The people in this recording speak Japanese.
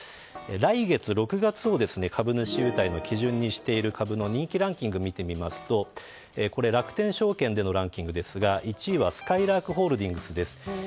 来月６月を株主の優待の基準にしている株の人気ランキングを見てみますと楽天証券でのランキングですが１位は、すかいらーくホールディングスです。